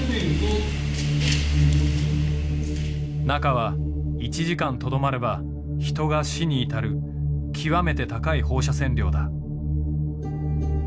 中は１時間とどまれば人が死に至る極めて高い放射線量だ。